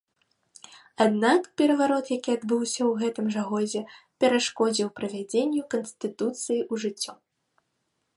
Аднак, пераварот, які адбыўся ў гэтым жа годзе, перашкодзіў правядзенню канстытуцыі ў жыццё.